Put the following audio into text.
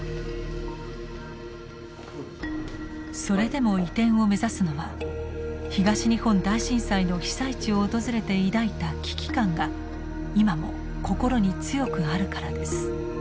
それでも移転を目指すのは東日本大震災の被災地を訪れて抱いた危機感が今も心に強くあるからです。